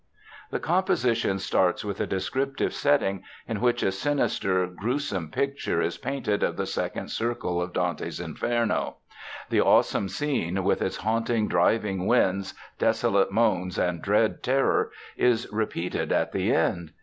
The composition starts with a descriptive setting, in which a sinister, gruesome picture is painted of the second circle of Dante's Inferno. The awesome scene, with its haunting, driving winds, desolate moans, and dread terror, is repeated at the end.